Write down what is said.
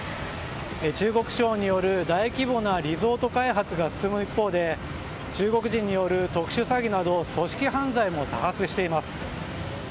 中国資本による、大規模なリゾート開発が進む一方で中国人による特殊詐欺など組織犯罪も多発しています。